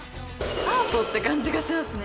アートって感じがしますね。